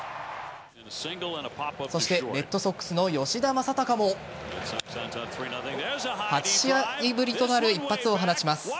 そしてレッドソックスの吉田正尚も８試合ぶりとなる一発を放ちます。